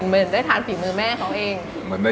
เหมือนได้ทานฝีมือแม่เขาเอง